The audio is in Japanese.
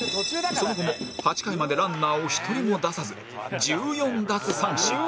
その後も８回までランナーを１人も出さず１４奪三振